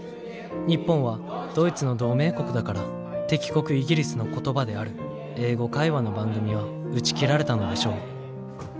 日本はドイツの同盟国だから敵国イギリスの言葉である英語会話の番組は打ち切られたのでしょう。